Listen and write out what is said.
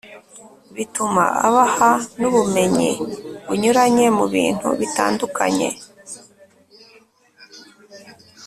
bituma abaha n’ubumenyi bunyuranye mu bintu bitandukanye